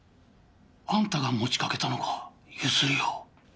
あんたが持ちかけたのかゆすりを。